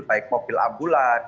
baik mobil ambulans